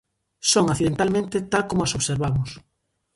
Son accidentalmente tal como as observamos.